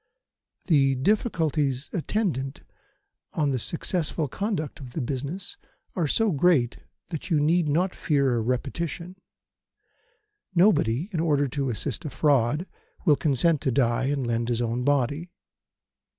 The difficulties attendant on the successful conduct of the business are so great that you need not fear a repetition. Nobody, in order to assist a fraud, will consent to die and lend his own body.